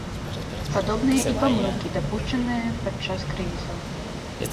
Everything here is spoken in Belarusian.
Падобныя і памылкі, дапушчаныя падчас крызісаў.